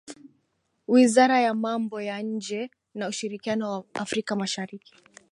Wizara ya Mambo ya nje na ushirikiano wa Afrika Mashariki